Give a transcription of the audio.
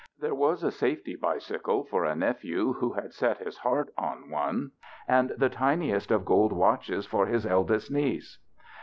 There was a safety bicycle for a nephew who had set his heart on one, and the tiniest of gold watches for his eldest niece.